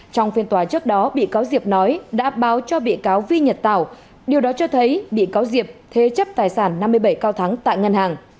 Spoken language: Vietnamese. trong phiên tòa trước đó bị cáo diệp nói đã báo cho bị cáo vi nhật tảo điều đó cho thấy bị cáo diệp thế chấp tài sản năm mươi bảy cao thắng tại ngân hàng